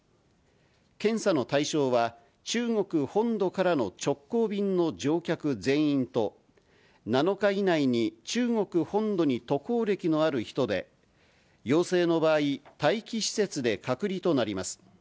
検査の対象は、中国本土からの直行便の乗客全員と、７日以内に中国本土に渡航歴のある人で、陽性の場合、待機施設で隔離となります。